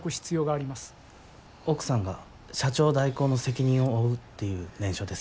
奥さんが社長代行の責任を負うっていう念書です。